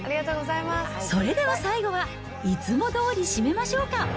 それでは最後はいつもどおり締めましょうか。